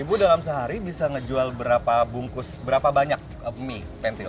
ibu dalam sehari bisa ngejual berapa bungkus berapa banyak mie pentil